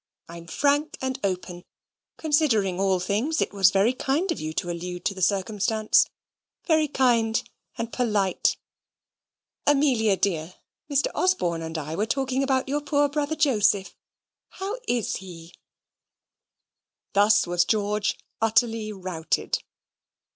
I'm frank and open; considering all things, it was very kind of you to allude to the circumstance very kind and polite. Amelia dear, Mr. Osborne and I were talking about your poor brother Joseph. How is he?" Thus was George utterly routed.